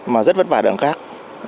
mà rất vất vả đằng khác